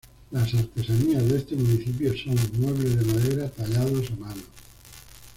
Las artesanías de este municipio son: muebles de madera tallados a mano.